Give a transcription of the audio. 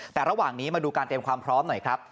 แต่ระหว่างนี้มาดูการเตรียมความพร้อมหน่อยครับ